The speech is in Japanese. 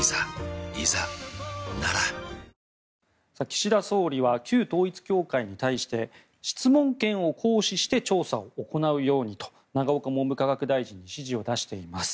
岸田総理は旧統一教会に対して質問権を行使して調査を行うようにと永岡文部科学大臣に指示を出しています。